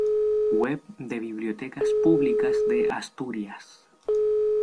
Web de Bibliotecas Públicas de Asturias